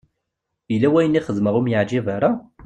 Yella wayen i xedmeɣ ur am-yeɛǧib ara?